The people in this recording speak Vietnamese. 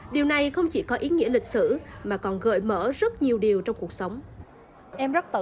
điều này không chỉ là một lý do nhưng cũng là một lý do để hiểu thêm về sức mạnh tiêm tàng của một dân tộc nhỏ bé ở bán đảo đông dương